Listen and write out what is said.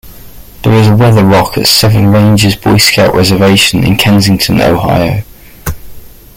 There is a weather rock at Seven Ranges Boy Scout Reservation in Kensington, Ohio.